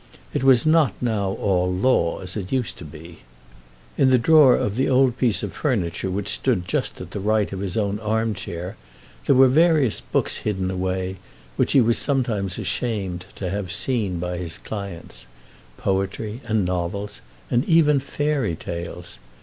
It was not now all law, as it used to be. In the drawer of the old piece of furniture which stood just at the right hand of his own arm chair there were various books hidden away, which he was sometimes ashamed to have seen by his clients, poetry and novels and even fairy tales.